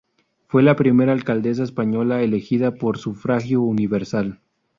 Fue la primera alcaldesa española elegida por sufragio universal.